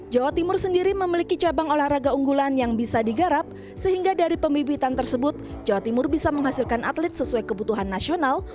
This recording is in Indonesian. jawa timur sendiri memiliki cabang olahraga unggulan yang bisa digarap sehingga dari pembibitan tersebut jawa timur bisa menghasilkan atlet sesuai kebutuhan nasional